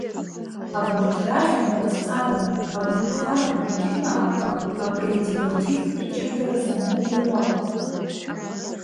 Абарҭ рахьынтә адҵаратә, агәаԥхаратә ркьынаақәа апредикативтә ҷыдара змоу ируакуп.